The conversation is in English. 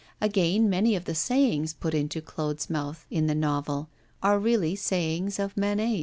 Again, many of the sayings put into Claude's mouth in the novel are really sayings of Manet's.